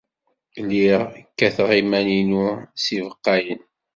Lliɣ kkateɣ iman-inu s yibeqqayen.